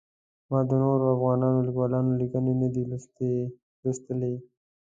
ما د نورو افغان لیکوالانو لیکنې نه دي لوستلي.